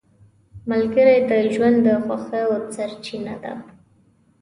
ملګری د ژوند د خوښیو سرچینه ده